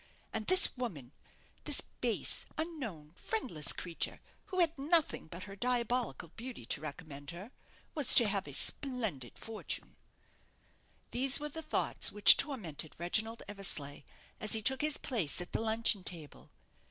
And this woman this base, unknown, friendless creature, who had nothing but her diabolical beauty to recommend her was to have a splendid fortune! These were the thoughts which tormented Reginald Eversleigh as he took his place at the luncheon table.